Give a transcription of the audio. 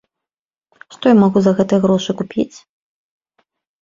Што я магу за гэтыя грошы купіць?